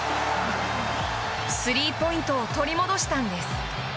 スリーポイントを取り戻したんです。